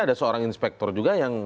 ada seorang inspektor juga yang